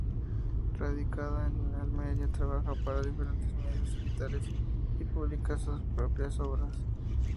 Radicada en Almería trabaja para diferentes medios digitales y publica sus propias obras.